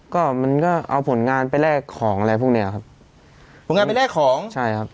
ก็มันก็เอาผลงานไปแลกของอะไรพวกเนี้ยครับผลงานไปแลกของใช่ครับ